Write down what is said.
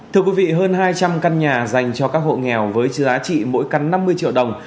thưa quý vị hơn hai trăm linh căn nhà dành cho các hộ nghèo với trứ giá trị mỗi căn năm mươi triệu đồng